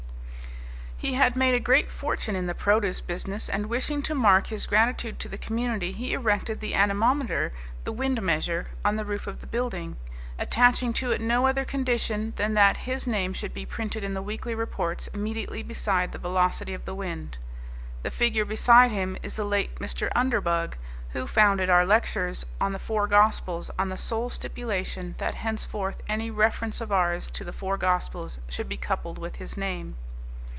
"He had made a great fortune in the produce business and wishing to mark his gratitude to the community he erected the anemometer, the wind measure, on the roof of the building, attaching to it no other condition than that his name should be printed in the weekly reports immediately beside the velocity of the wind. The figure beside him is the late Mr. Underbugg, who founded our lectures on the Four Gospels on the sole stipulation that henceforth any reference of ours to the four gospels should be coupled with his name."